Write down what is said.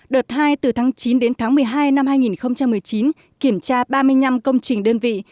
đợt hai từ tháng chín đến tháng một mươi hai năm hai nghìn một mươi chín kiểm tra ba mươi năm công trình đơn vị